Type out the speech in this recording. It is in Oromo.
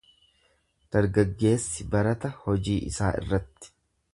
Dargaggeessi barata hojii isaa irratti.